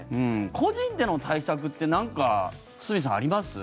個人での対策ってなんか、堤さんあります？